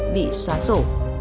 bị xóa sổ